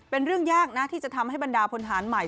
เป็นเรื่องยากนะที่จะทำให้บรรดาพลฐานใหม่